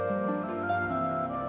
ya ma aku ngerti